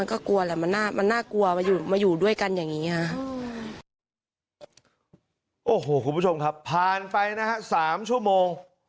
โอ้โหคุณผู้ชมครับผ่านไปนะครับ๓ชั่วโมง